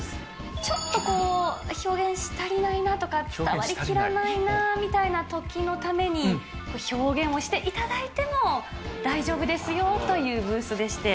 ちょっとこう、表現したりないなとか、伝わりきらないなみたいなときのために、表現をしていただいても大丈夫ですよというブースでして。